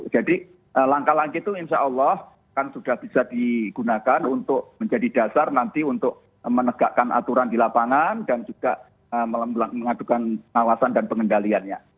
jadi langkah langkah itu insya allah kan sudah bisa digunakan untuk menjadi dasar nanti untuk menegakkan aturan di lapangan dan juga mengadukan awasan dan pengendaliannya